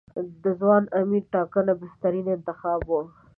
د ځوان امیر ټاکنه بهترین انتخاب و.